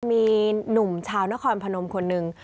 มีหนุ่มชาวนครพนมคนหนึ่ง